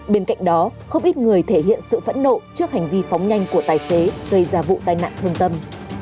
bên cạnh đó không ít người thể hiện sự phẫn nộ trước hành vi phóng nhanh của tài xế gây ra vụ tai nạn thương tâm